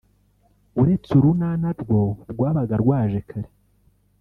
uretse Urunana rwo rwabaga rwaje kare